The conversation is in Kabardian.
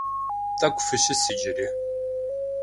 Тӏэкӏу фыщыс иджыри.